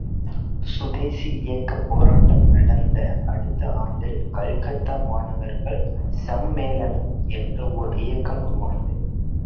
சுதேசி இயக்கப் போராட்டம் நடந்த அடுத்த ஆண்டில் கல்கத்தா மாணவர்கள் சம்மேளனம் என்ற ஓர் இயக்கம் உருவானது.